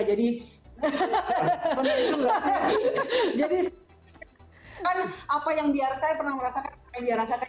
jadi apa yang saya pernah merasakan saya merasakan